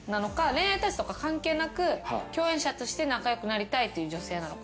恋愛対象とか関係なく共演者として仲良くなりたいっていう女性なのか。